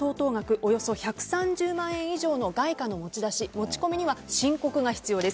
およそ１３０万円以上の外貨の持ち出し持ち込みには申告が必要です。